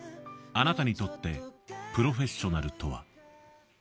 「あなたにとってプロフェッショナルとは？」。